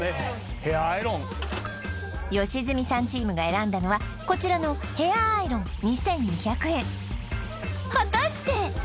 ヘアアイロン良純さんチームが選んだのはこちらのヘアアイロン２２００円果たして！？